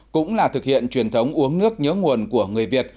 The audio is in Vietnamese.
cũng là thực hiện truyền thống uống nước nhớ nguồn của người việt